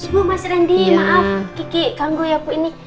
bu mas randi maaf kiki ganggu ya bu ini